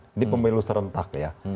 jadi pemilu serentak ya